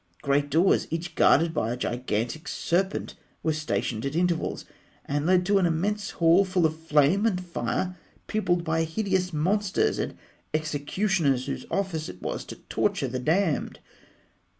Great doors, each guarded by a gigantic serpent, were stationed at intervals, and led to an immense hall full of flame and fire, peopled by hideous monsters and executioners whose office it was to torture the damned.